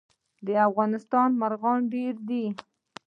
د افغانستان مرغان ډیر دي